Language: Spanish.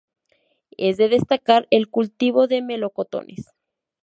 Es de destacar el cultivo de melocotones.